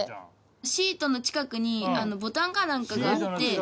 シートの近くにボタンかなんかがあって。